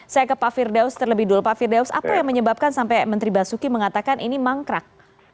saya ke pak firdaus terlebih dulu pak firdaus apa yang menyebabkan sampai menteri basuki mengatakan ini mangkrak